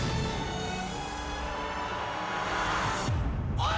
おい！